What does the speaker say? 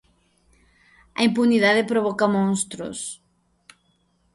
A impunidade provoca monstros.